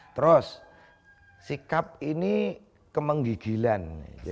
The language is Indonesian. terus sikap ini kemenggigilan